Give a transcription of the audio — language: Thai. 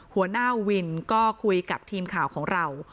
หัวหน้าวินก็คุยกับทีมข่าวของเรา